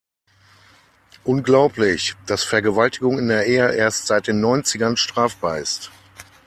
Unglaublich, dass Vergewaltigung in der Ehe erst seit den Neunzigern strafbar ist.